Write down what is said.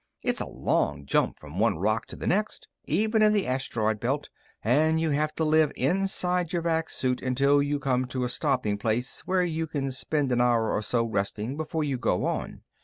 It's a long jump from one rock to the next, even in the asteroid belt, and you have to live inside your vac suit until you come to a stopping place where you can spend an hour or so resting before you go on.